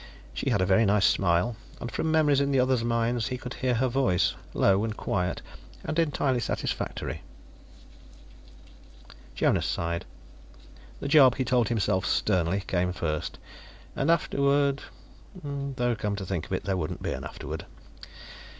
She had a very nice smile, and from memories in the others' minds he could hear her voice, low and quiet and entirely satisfactory. Jonas sighed. The job, he told himself sternly, came first. And afterward Though, come to think of it, there wouldn't be an afterward.